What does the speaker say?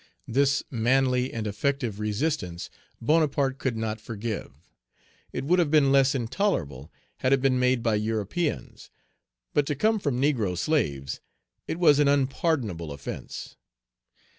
This manly and effective resistance Bonaparte could not forgive. It would have been less intolerable, had it been made by Europeans; but to come from negro slaves it was an unpardonable offence.